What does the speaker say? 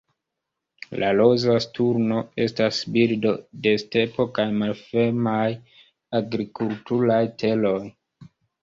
La Roza sturno estas birdo de stepo kaj malfermaj agrikulturaj teroj.